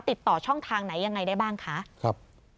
ติดต่อช่องทางไหนยังไงได้บ้างคะครับ